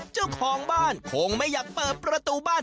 เจ้าของบ้านคงไม่อยากเปิดประตูบ้าน